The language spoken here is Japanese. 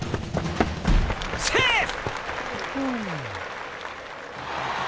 セーフ！